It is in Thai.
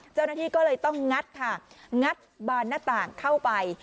เจ้าหน้าที่ก็เลยต้องงัดค่ะงัดบานหน้าต่างเข้าไป